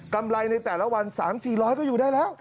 ไรในแต่ละวัน๓๔๐๐ก็อยู่ได้แล้ว